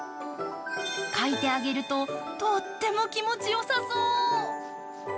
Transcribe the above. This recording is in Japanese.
かいてあげると、とっても気持ちよさそう。